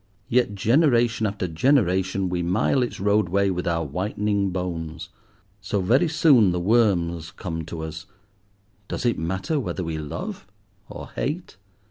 Yet, generation after generation, we mile its roadway with our whitening bones. So very soon the worms come to us; does it matter whether we love, or hate?